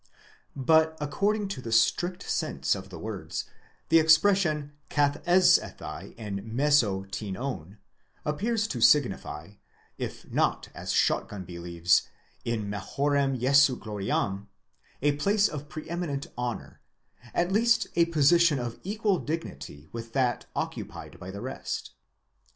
® but according to the strict sense of the words, the expression καθέζεσθαι ἐν μέσῳ τινῶν appears to signify, if not as . Schottgen believes,!" i majorem Jesu gloriam, a place of pre eminent honour, . at least a position of equal dignity with that occupied by the rest.